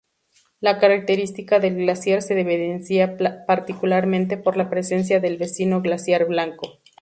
La característica del glaciar se evidencia particularmente por la presencia del vecino glaciar Blanco.